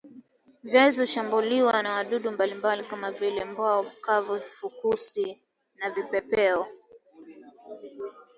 viazi hushambuliwa na wadudu mbalimbali kama vile mbawa kavu fukusi na vipepeo